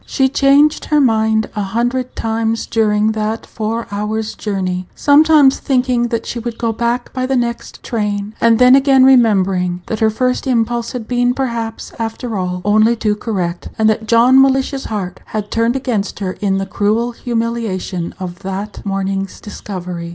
She changed her mind a hundred times during that four hours journey, sometimes thinking that she would go back by the next train, and then again remembering that her first impulse had been, perhaps, after all, only too correct, and that John Mellish's heart had turned against her in the cruel humiliation of that morning's discovery.